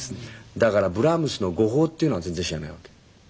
だからブラームスの語法っていうのは全然知らないわけ。